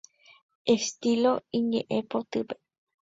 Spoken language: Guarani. Estilo iñe'ẽpotýpe.